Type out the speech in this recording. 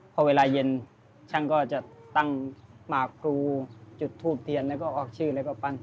พอเวลาเย็นช่างก็จะตั้งหมากครูจุดทูบเทียนแล้วก็ออกชื่อแล้วก็ปั้น